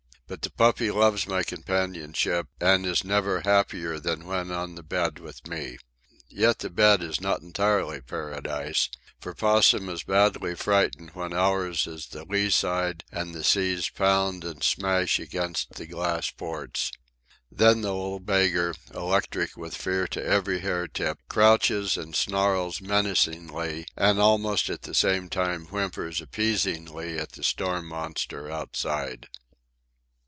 But the puppy loves my companionship, and is never happier than when on the bed with me. Yet the bed is not entirely paradise, for Possum is badly frightened when ours is the lee side and the seas pound and smash against the glass ports. Then the little beggar, electric with fear to every hair tip, crouches and snarls menacingly and almost at the same time whimpers appeasingly at the storm monster outside.